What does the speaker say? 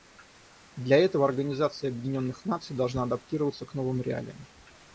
Для этого Организация Объединенных Наций должна адаптироваться к новым реалиям.